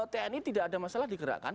tni tidak ada masalah digerakkan